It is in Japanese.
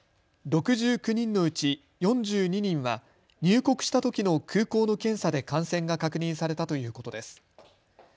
６９人のうち４２人は入国したときの空港の検査で感染が確認されたということです。